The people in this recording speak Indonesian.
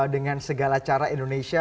dengan segala cara indonesia